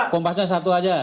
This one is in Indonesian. kompasnya satu saja